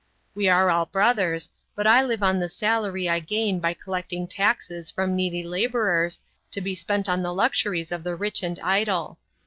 We are all brothers, but I live on the salary I gain by collecting taxes from needy laborers to be spent on the luxuries of the rich and idle.